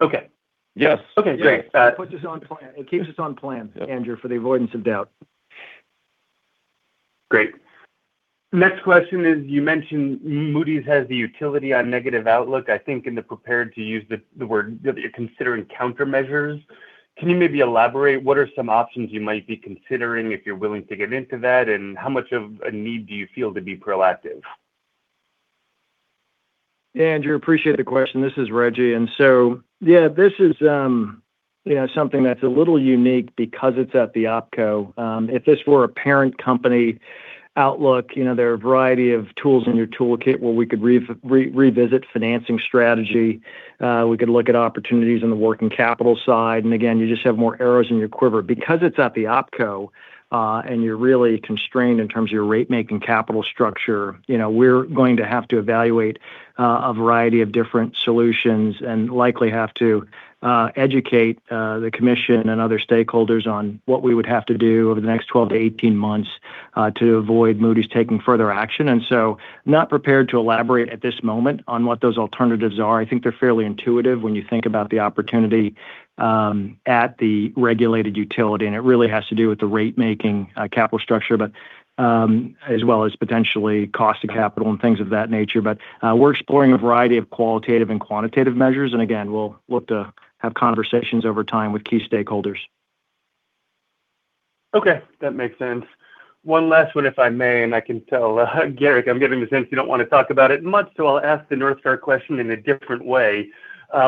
Okay. Yes. Okay, great. It puts us on plan. It keeps us on plan. Yep Andrew, for the avoidance of doubt. Great. Next question is, you mentioned Moody's has the utility on negative outlook. I think in the prepared to use the word that you're considering countermeasures. Can you maybe elaborate what are some options you might be considering, if you're willing to get into that? How much of a need do you feel to be proactive? Andrew, appreciate the question. This is Rejji Hayes. Yeah, this is, you know, something that's a little unique because it's at the opco. If this were a parent company outlook, you know, there are a variety of tools in your toolkit where we could revisit financing strategy. We could look at opportunities in the working capital side. Again, you just have more arrows in your quiver. Because it's at the opco, and you're really constrained in terms of your rate-making capital structure, you know, we're going to have to evaluate a variety of different solutions and likely have to educate the commission and other stakeholders on what we would have to do over the next 12-18 months to avoid Moody's taking further action. Not prepared to elaborate at this moment on what those alternatives are. I think they're fairly intuitive when you think about the opportunity at the regulated utility, and it really has to do with the rate-making, capital structure, as well as potentially cost of capital and things of that nature. We're exploring a variety of qualitative and quantitative measures, and again, we'll look to have conversations over time with key stakeholders. Okay, that makes sense. One last one if I may, and I can tell Garrick, I'm getting the sense you don't wanna talk about it much, I'll ask the NorthStar question in a different way.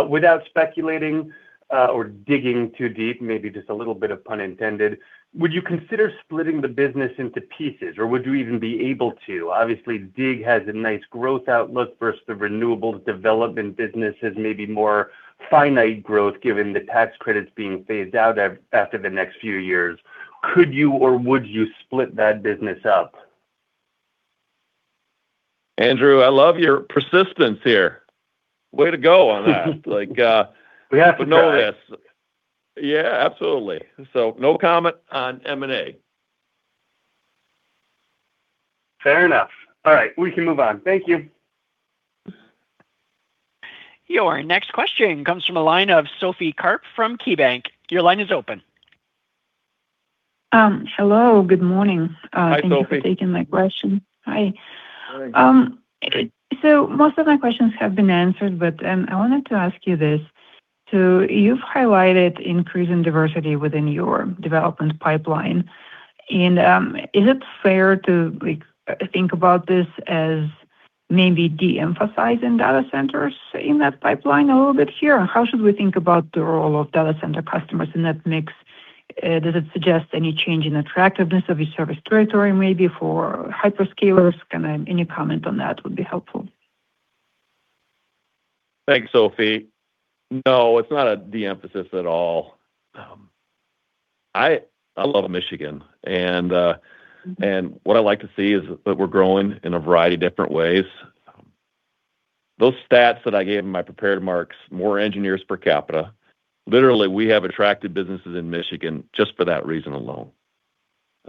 Without speculating, or digging too deep, maybe just a little bit of pun intended, would you consider splitting the business into pieces, or would you even be able to? Obviously, DIG has a nice growth outlook versus the renewables development businesses, maybe more finite growth given the tax credits being phased out after the next few years. Could you or would you split that business up? Andrew, I love your persistence here. Way to go on that. We have to try. No, yeah, absolutely. No comment on M&A. Fair enough. All right, we can move on. Thank you. Your next question comes from the line of Sophie Karp from KeyBanc. Your line is open. Hello, good morning. Hi, Sophie. Thank you for taking my question. Hi. Hi. Most of my questions have been answered, but I wanted to ask you this. You've highlighted increase in diversity within your development pipeline. Is it fair to, like, think about this as maybe de-emphasizing data centers in that pipeline a little bit here? Or how should we think about the role of data center customers in that mix? Does it suggest any change in attractiveness of your service territory maybe for hyperscalers? Kinda any comment on that would be helpful. Thanks, Sophie. No, it's not a de-emphasis at all. I love Michigan, and what I like to see is that we're growing in a variety of different ways. Those stats that I gave in my prepared remarks, more engineers per capita, literally, we have attracted businesses in Michigan just for that reason alone.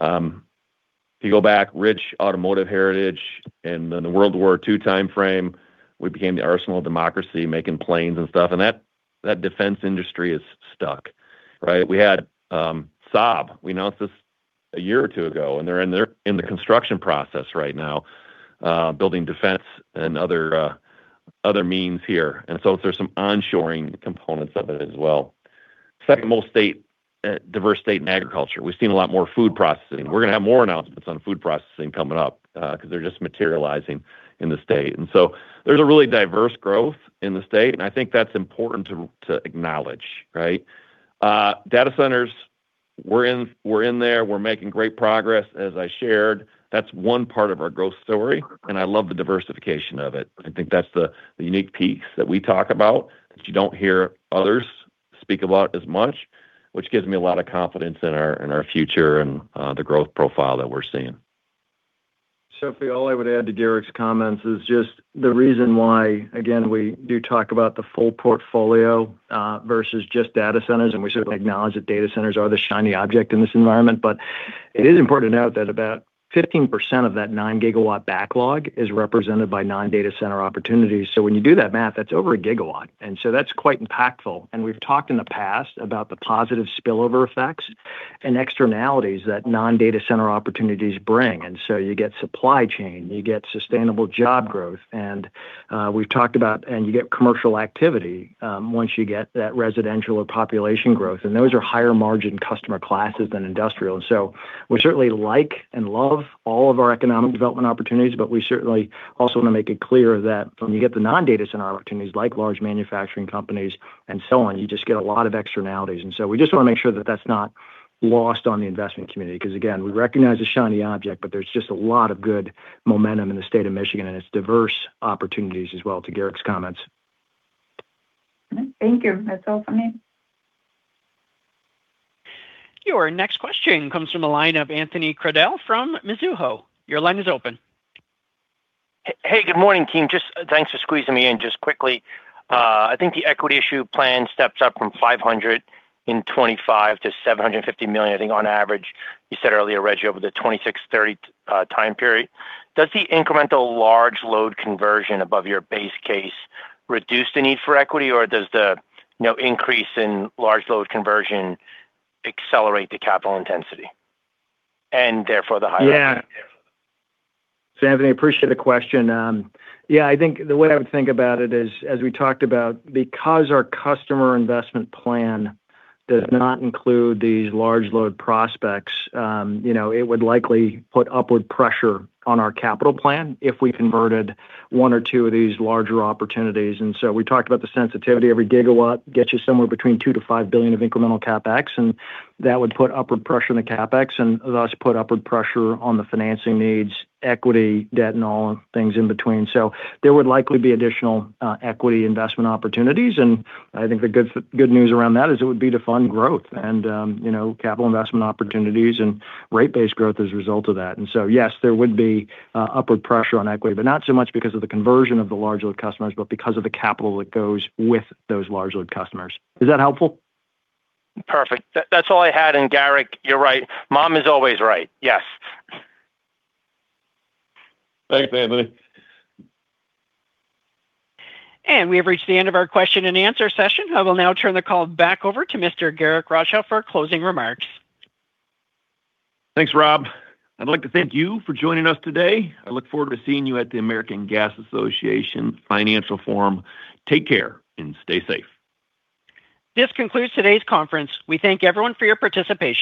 If you go back, rich automotive heritage, and in the World War II timeframe, we became the arsenal of democracy, making planes and stuff, and that defense industry is stuck, right? We had Saab, we announced this a year or two ago, and they're in the construction process right now, building defense and other means here. There's some onshoring components of it as well. Second most state, diverse state in agriculture. We've seen a lot more food processing. We're gonna have more announcements on food processing coming up, 'cause they're just materializing in the state. There's a really diverse growth in the state, and I think that's important to acknowledge, right? Data centers, we're in there. We're making great progress, as I shared. That's one part of our growth story, and I love the diversification of it. I think that's the unique piece that we talk about that you don't hear others speak about as much, which gives me a lot of confidence in our, in our future and the growth profile that we're seeing. Sophie, all I would add to Garrick's comments is just the reason why, again, we do talk about the full portfolio versus just data centers, and we sort of acknowledge that data centers are the shiny object in this environment. It is important to note that about 15% of that 9 GW backlog is represented by non-data center opportunities. When you do that math, that's over a gigawatt, that's quite impactful. We've talked in the past about the positive spillover effects and externalities that non-data center opportunities bring. You get supply chain, you get sustainable job growth. You get commercial activity once you get that residential or population growth, those are higher margin customer classes than industrial. We certainly like and love all of our economic development opportunities, but we certainly also wanna make it clear that when you get the non-data center opportunities, like large manufacturing companies and so on, you just get a lot of externalities. We just wanna make sure that that's not lost on the investment community because, again, we recognize the shiny object, but there's just a lot of good momentum in the state of Michigan and its diverse opportunities as well, to Garrick's comments. Thank you. That's all from me. Your next question comes from the line of Anthony Crowdell from Mizuho. Your line is open. Hey, good morning, team. Just thanks for squeezing me in just quickly. I think the equity issue plan steps up from $525 million-$750 million, I think on average, you said earlier, Rejji, over the 2026-2030 time period. Does the incremental large load conversion above your base case reduce the need for equity, or does the, you know, increase in large load conversion accelerate the capital intensity and therefore the higher- Yeah. Anthony, appreciate the question. Yeah, I think the way I would think about it is, as we talked about, because our customer investment plan does not include these large load prospects, you know, it would likely put upward pressure on our capital plan if we converted one or two of these larger opportunities. We talked about the sensitivity. Every gigawatt gets you somewhere between $2 billion-$5 billion of incremental CapEx, and that would put upward pressure on the CapEx and thus put upward pressure on the financing needs, equity, debt, and all the things in between. There would likely be additional equity investment opportunities, and I think the good news around that is it would be to fund growth and, you know, capital investment opportunities and rate-based growth as a result of that. Yes, there would be upward pressure on equity, but not so much because of the conversion of the large load customers, but because of the capital that goes with those large load customers. Is that helpful? Perfect. That's all I had. Garrick, you're right. Mom is always right. Yes. Thanks, Anthony. We have reached the end of our question and answer session. I will now turn the call back over to Mr. Garrick Rochow for closing remarks. Thanks, Rob. I'd like to thank you for joining us today. I look forward to seeing you at the American Gas Association Financial Forum. Take care and stay safe. This concludes today's conference. We thank everyone for your participation.